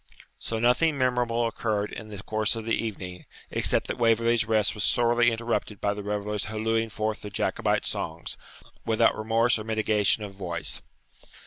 So nothing memorable occurred in the course of the evening, except that Waverley's rest was sorely interrupted by the revellers hallooing forth their Jacobite songs, without remorse or mitigation of voice.